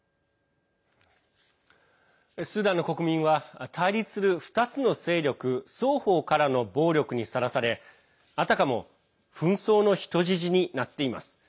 スーダンの国民は対立する２つの勢力双方からの暴力にさらされあたかも紛争の人質になっています。